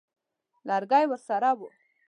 لرګی ورسره وو.